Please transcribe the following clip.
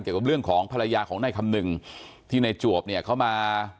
เกี่ยวกับเรื่องของภรรยาของนายคำนึงที่ในจวบเนี่ยเขามา